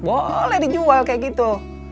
boleh dijual kayak gitu